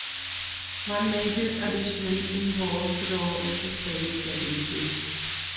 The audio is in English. One major addition involves the role of the Sage Dadhichi.